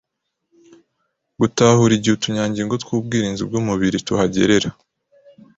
Gutahura igihe utunyangingo tw'ubwirinzi bw'umubiri tuhagerera